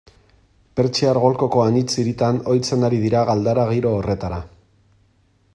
Pertsiar Golkoko anitz hiritan ohitzen ari dira galdara giro horretara.